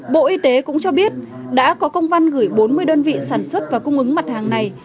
bộ y tế cũng cho biết đã có công văn gửi bốn mươi đơn vị sản xuất và cung ứng mặt hàng này